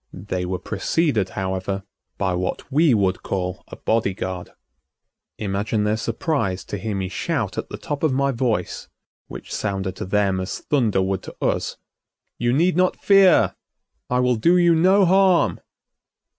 They were preceded, however, by what we would call a body guard. Imagine their surprise to hear me shout at the top of my voice, which sounded to them as thunder would to us: "You need not fear, I will do you no harm!"